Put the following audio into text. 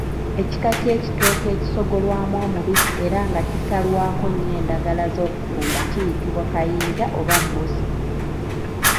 Ekika ky’ekitooke ekisogolwamu omubisi era nga kisalwako nnyo endagala z’okufumba kiyitibwa Kayinja oba Mmusa.